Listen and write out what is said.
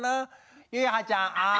ゆいはちゃんあん。